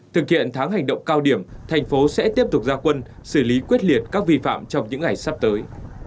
thực hiện tháng hành động cao điểm thành phố sẽ tiếp tục ra quân xử lý quyết liệt các vi phạm trong những ngày sắp tới